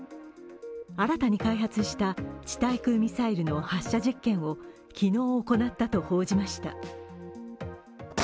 新たに開発した地対空ミサイルの発射実験を昨日行ったと報じました。